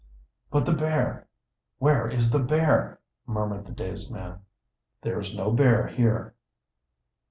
"But the bear! Where is the bear?" murmured the dazed man. "There is no bear here."